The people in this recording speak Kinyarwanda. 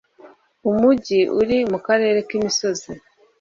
Umujyi uri mukarere k'imisozi